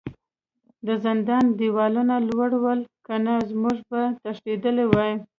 د زندان دیوالونه لوړ ول کنه موږ به تښتیدلي وای